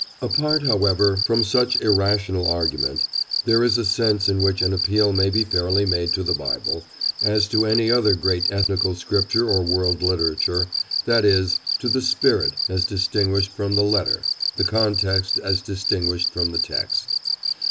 Apart, however, from such irrational argument, there is a sense in which an appeal may be fairly made to the Bible, as to any other great ethnical scripture or world literature—that is, to the spirit, as distinguished from the letter, the context as distinguished from the text.